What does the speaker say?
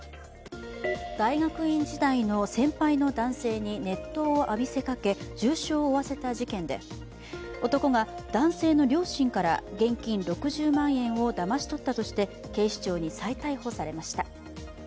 大学院時代の先輩の男性に熱湯を浴びせかけ、重傷を負わせた事件で男が男性の両親から現金６０万円をだまし取ったとして警視庁に再逮捕されました。